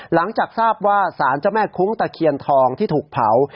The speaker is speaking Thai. หลังจากทราบว่าสารเจ้าแม่คุ้งตะเคียนทองที่ถูกเผา